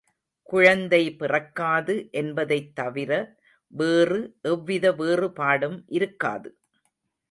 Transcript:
குழந்தை பிறக்காது என்பதைத் தவிர வேறு எவ்வித வேறுபாடும் இருக்காது.